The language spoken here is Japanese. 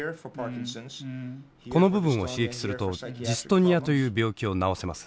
この部分を刺激するとジストニアという病気を治せます。